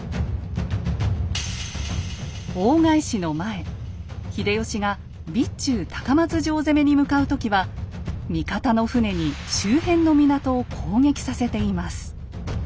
大返しの前秀吉が備中高松城攻めに向かう時は味方の船に周辺の港を攻撃させています。